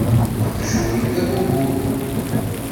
Aqjun-im d abubul.